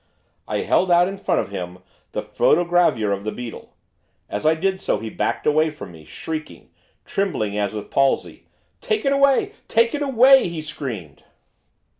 I held out in front of him the photogravure of the beetle. As I did so he backed away from me, shrieking, trembling as with palsy. 'Take it away! take it away!' he screamed.